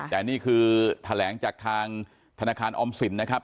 แต่นี่คือแถลงจากทางธนาคารออมสินนะครับ